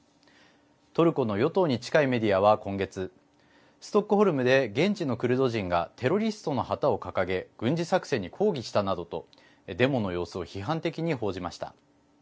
トルコの与党に近いメディアは今月ストックホルムで現地のクルド人がテロリストの旗を掲げ軍事作戦に抗議したなどとデモの様子を批判的に報じました。